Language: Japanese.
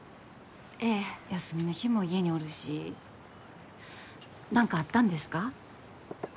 ええ休みの日も家におるし何かあったんですか？